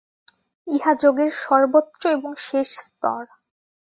ইহা যোগের সর্বোচ্চ এবং শেষ স্তর।